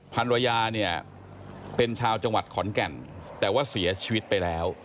ภรรยาเนี่ยเป็นชาวจังหวัดขอนแก่นแต่ว่าเสียชีวิตไปแล้ว